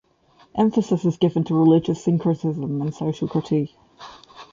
Emphasis is given to religious syncretism and social critique.